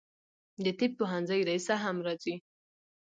د طب پوهنځي رییسه هم راځي.